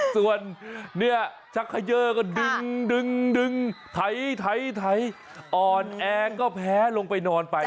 ส่วนชักไขเยอร์ก็ดึงถัยอ่อนแอ๊กก็แพ้ลงไปนอนไป